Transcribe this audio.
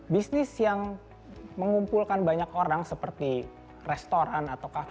bisnis yang mengumpulkan banyak orang seperti restoran atau kafe